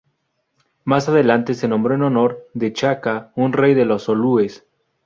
Más adelante se nombró en honor de Chaka, un rey de los zulúes.